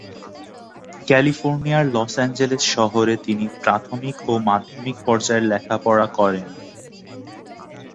ক্যালিফোর্নিয়ার Los Angeles শহরে তিনি প্রাথমিক ও মাধ্যমিক পর্যায়ের লেখাপড়া করেন।